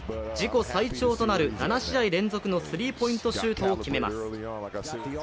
自己最長となる７試合連続のスリーポイントシュートを決めます。